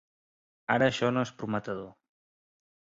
Ara això no és prometedor.